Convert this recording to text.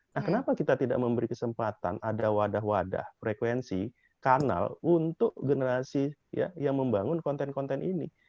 nah kenapa kita tidak memberi kesempatan ada wadah wadah frekuensi kanal untuk generasi yang membangun konten konten ini